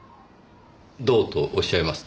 どうとおっしゃいますと？